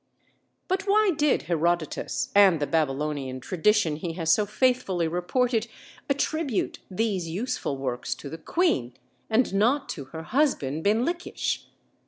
But why did Herodotus, and the Babylonian tradition he has so faithfully reported, attribute these useful works to the queen and not to her husband, Binlikhish?